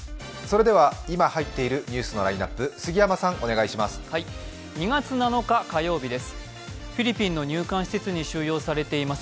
今入っているニュースのラインナップ、杉山さん、お願いします。